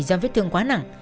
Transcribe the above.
do vết thương quá nặng